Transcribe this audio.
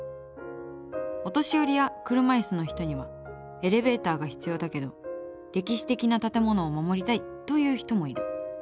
お年寄りや車いすの人にはエレベーターが必要だけど歴史的な建物を守りたいという人もいる。